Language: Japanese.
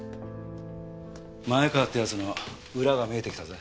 前川って奴の裏が見えてきたぜ。